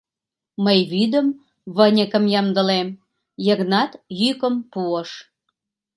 Мый вӱдым, выньыкым ямдылем, — Йыгнат йӱкым пуыш.